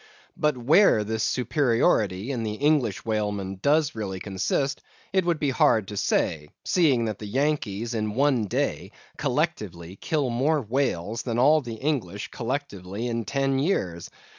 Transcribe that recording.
But where this superiority in the English whalemen does really consist, it would be hard to say, seeing that the Yankees in one day, collectively, kill more whales than all the English, collectively, in ten years.